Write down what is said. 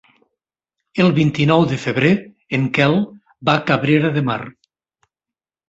El vint-i-nou de febrer en Quel va a Cabrera de Mar.